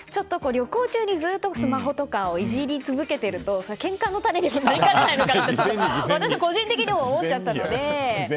旅行中にスマホとかをいじり続けているとけんかの種にもなりかねないかなと個人的には思っちゃったので。